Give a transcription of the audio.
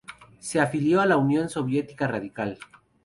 Se afilió a la Unión Cívica Radical.